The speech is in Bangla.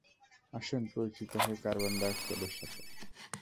আসুন পরিচিত হই কার্বন ডাইঅক্সাইডের সাথে।